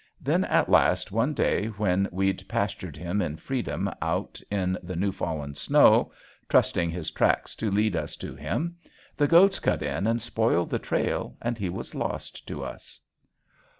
Then at last one day when we'd pastured him in freedom out in the new fallen snow, trusting his tracks to lead us to him, the goats cut in and spoiled the trail and he was lost to us.